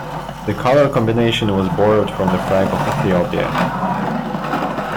The colour combination was borrowed from the flag of Ethiopia.